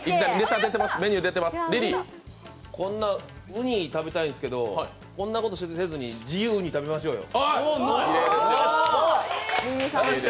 うに食べたいんですけど、こんなことせずにじゆうに食べましょうよ。